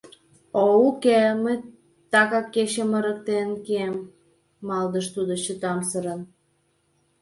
О уке, мый такак кечым ырыктен кием, — малдыш тудо чытамсырын.